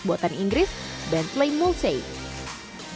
buatan inggris bentley mulsanne